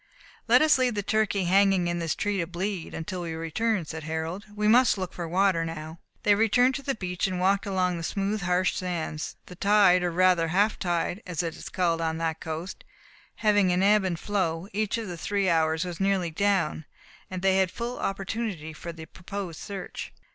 "Let us leave the turkey, hanging in this tree to bleed, until we return," said Harold; "we must look for water now." They returned to the beach, and walked along the smooth hard sands. The tide, or rather "half tide" (as it is called on that coast), having an ebb and flow, each of three hours, was nearly down, and they had a full opportunity for the proposed search.